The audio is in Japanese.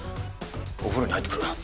お風呂に入ってくる。